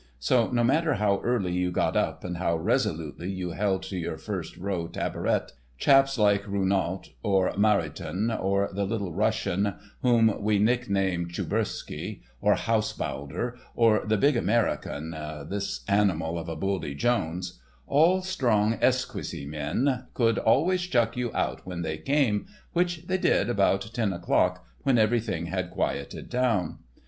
So, no matter how early you got up and how resolutely you held to your first row tabouret, chaps like Rounault, or Marioton, or the little Russian, whom we nicknamed "Choubersky," or Haushaulder, or the big American—"This Animal of a Buldy Jones"—all strong esquisse men, could always chuck you out when they came, which they did about ten o'clock, when everything had quieted down.